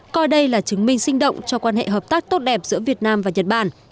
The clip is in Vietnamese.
coi đây là chứng minh sinh động cho quan hệ hợp tác tốt đẹp giữa việt nam và nhật bản